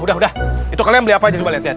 udah udah itu kalian beli apa aja coba lihat lihat